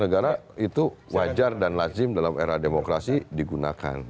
negara itu wajar dan lazim dalam era demokrasi digunakan